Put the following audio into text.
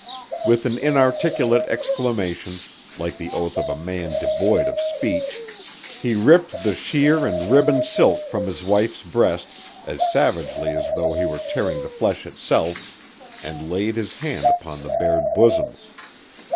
With an inarticulate exclamation, like the oath of a man devoid of speech, he ripped the sheer and ribboned silk from his wife's breast, as savagely as though he were tearing the flesh itself, and laid his hand upon the bared bosom.